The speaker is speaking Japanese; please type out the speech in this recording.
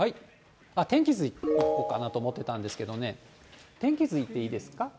天気図いこうかなと思ってたんですけどね、天気図いっていいですか。